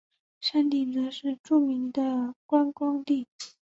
山顶则是著名的观光地。